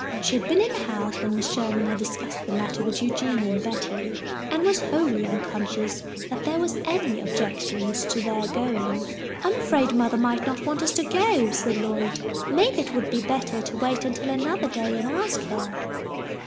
She had been in the house when Mrs. Sherman had discussed the matter with Eugenia and Betty, and was wholly unconscious that there was any objection to their going. "I'm afraid mothah might not want us to go," said Lloyd. "Maybe it would be bettah to wait until anothah day and ask her."